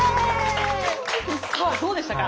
さあどうでしたか？